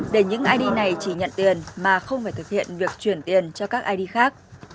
để những id này chỉ nhận tiền mà không phải thực hiện việc chuyển tiền cho các id khác